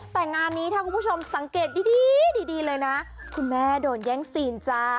แต่งานนี้ถ้าเพื่อผู้ชมสังเกตดีเลยนะคุณแฮโต๊ะแย่งเสียนจ้า